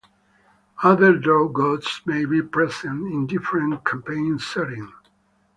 Other drow gods may be present in different campaign settings.